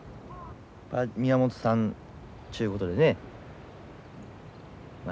まあ宮本さんっちゅうことでねまあ